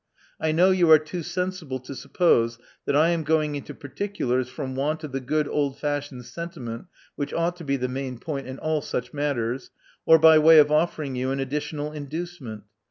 I know you are too sensible to suppose that I am going into particulars from want of the good old fashioned sentiment which ought to be the main point in all such matters, or by way of offering you an additional inducement.